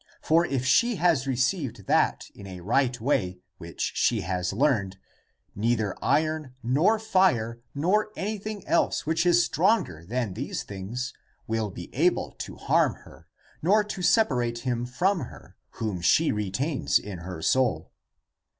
For if she has received that in a right way, which she has learned, neither iron, nor fire, nor anything else which is stronger than these things will be able to harm her nor to separate him (from her) whom she retains in her soul."